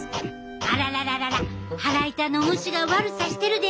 あららららら腹痛の虫が悪さしてるで！